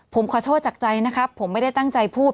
ผมขอโทษจากใจนะครับผมไม่ได้ตั้งใจพูด